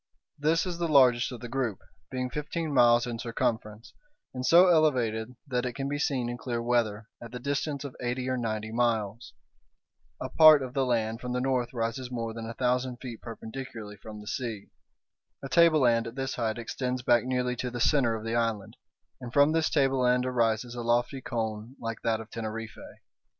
This is the largest of the group, being fifteen miles in circumference, and so elevated that it can be seen in clear weather at the distance of eighty or ninety miles. A part of the land toward the north rises more than a thousand feet perpendicularly from the sea. A tableland at this height extends back nearly to the centre of the island, and from this tableland arises a lofty cone like that of Teneriffe.